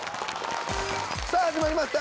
さぁ始まりました